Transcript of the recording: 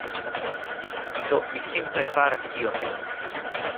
Do, mi simple faras tion nun